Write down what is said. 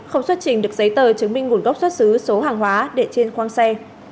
không xuất trình được giấy tờ chứng minh nguồn gốc xuất xứ số hàng hóa để trên khoang xe